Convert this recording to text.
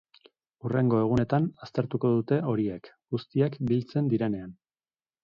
Hurrengo egunetan aztertuko dute horiek, guztiak biltzen direnean.